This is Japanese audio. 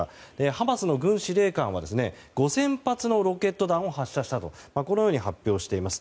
ハマスの軍司令官は５０００発のロケット弾を発射したと発表しています。